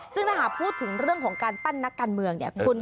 ซึ่งถ้าหากพูดถึงเรื่องของการปั้นนักการเมืองเนี่ย